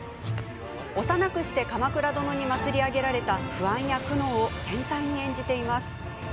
幼くして鎌倉殿に祭り上げられた不安や苦悩を繊細に演じています。